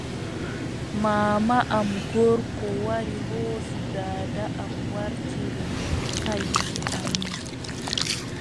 Maama am gorko wari hoosi daada am waartiri kayye amin.